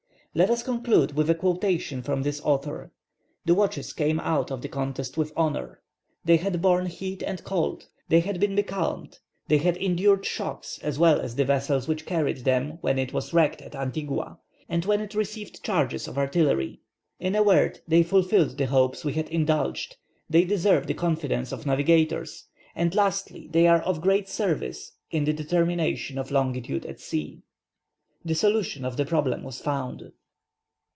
Let us conclude with a quotation from this author: "The watches came out of the contest with honour. They had borne heat and cold, they had been becalmed, they had endured shocks as well as the vessel which carried them when it was wrecked at Antigua, and when it received charges of artillery. In a word, they fulfilled the hopes we had indulged, they deserve the confidence of navigators, and lastly they are of great service in the determination of longitude at sea." The solution of the problem was found!